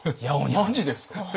マジですか？